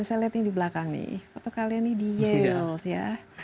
saya lihat ini di belakang nih foto kalian ini di yeles ya